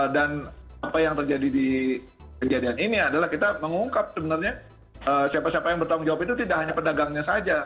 dan apa yang terjadi di kejadian ini adalah kita mengungkap sebenarnya siapa siapa yang bertanggung jawab itu tidak hanya pedagangnya saja